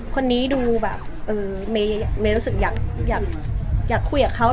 คนนี้ดูแบบเมย์รู้สึกอยากคุยกับเขา